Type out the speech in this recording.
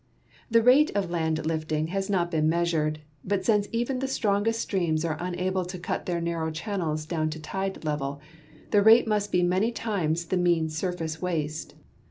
The rate of land lifting has not been measured, but since even the strongest streams are unable to cut their narrow channels down to tide level, the rate must be many times the mean sur face waste.